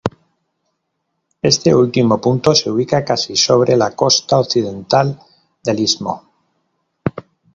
Este último punto se ubica casi sobre la costa occidental del istmo.